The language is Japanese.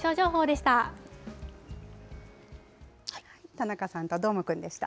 田中さんとどーもくんでした。